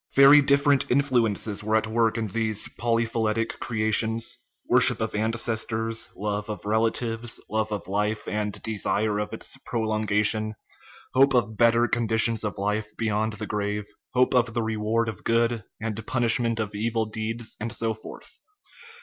Very different influences were at work in these polyphyletic creations worship of ances tors, love of relatives, love of life and desire of its pro longation, hope of better conditions of life beyond the grave, hope of the reward of good and punishment of evil deeds, and so forth.